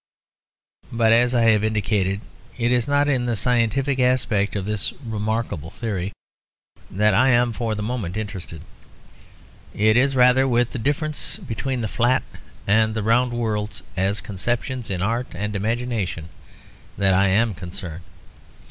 But, as I have indicated, it is not in the scientific aspect of this remarkable theory that I am for the moment interested. It is rather with the difference between the flat and the round worlds as conceptions in art and imagination that I am concerned.